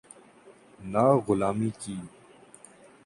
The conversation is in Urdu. نہ غلامی کی۔